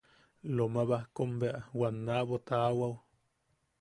Loma Bajkom bea wanna aʼabo taʼawaʼu.